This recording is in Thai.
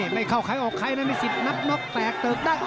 ไม่เข้าใครออกใครนะมีสิทธิ์นับน็อกแตกเติบได้